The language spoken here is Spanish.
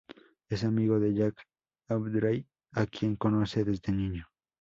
Es amigo de Jack Aubrey, a quien conoce desde niño.